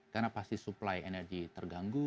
karena pasti supply energy terganggu